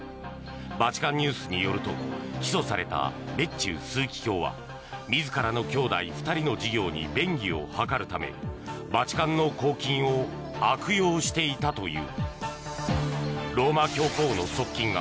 「バチカンニュース」によると起訴されたベッチウ枢機卿は自らの兄弟２人の事業に便宜を図るためバチカンの公金を悪用していたという。